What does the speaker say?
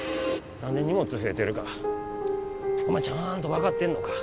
何で荷物増えてるかお前ちゃんと分かってんのか？